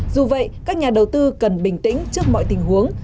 dù vậy các nhà đầu tư cần bình tĩnh trước mọi tình huống